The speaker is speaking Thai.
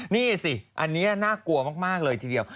นี่สิอันนี้น่ากลัวมากเลยทีเดียว